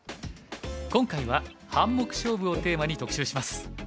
今回は「半目勝負」をテーマに特集します。